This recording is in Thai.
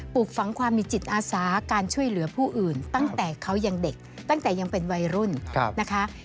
ปลูกฝังความมีจิตอาสาการช่วยเหลือผู้อื่นตั้งแต่เขายังเด็กตั้งแต่ยังเป็นวัยรุ่นนะคะ